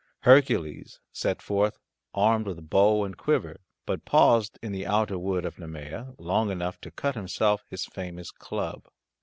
Hercules set forth armed with bow and quiver, but paused in the outer wood of Nemea long enough to cut himself his famous club.